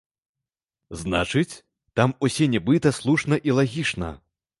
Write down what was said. Значыць, там усе нібыта слушна і лагічна.